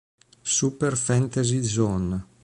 Super Fantasy Zone